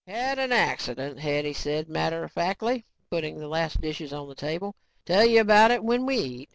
"Had an accident," Hetty said matter of factly, putting the last dishes on the table. "Tell you about it when we eat.